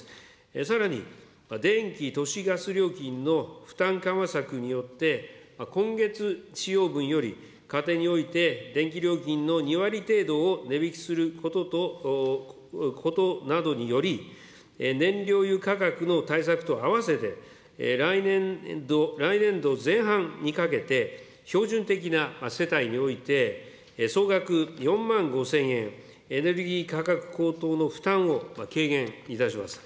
さらに、電気、都市ガス料金の負担緩和策によって、今月使用分より、家庭において電気料金の２割程度を値引きすることなどにより、燃料油価格の対策と併せて、来年度前半にかけて標準的な世帯において、総額４万５０００円、エネルギー価格高騰の負担を軽減いたします。